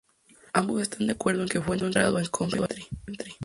Ambos están de acuerdo en que fue enterrado en Coventry.